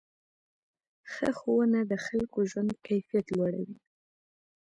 ښه ښوونه د خلکو ژوند کیفیت لوړوي.